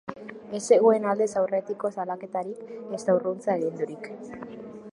Ez zegoen aldez aurretiko salaketarik ezta urruntze agindurik.